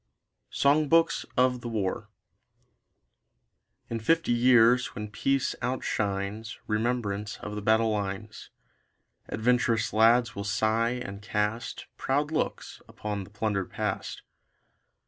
SONG BOOKS OF THE WAR In fifty years, when peace outshines Remembrance of the battle lines, Adventurous lads will sigh and cast Proud looks upon the plundered past.